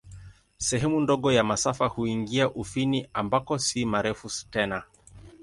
Sehemu ndogo ya masafa huingia Ufini, ambako si marefu tena.